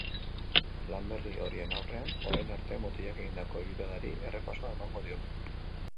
Lan berri horien aurrean orain arte mutilak egindako ibilbideari errepasoa emango diote.